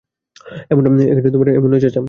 এমন নয়, চাচা।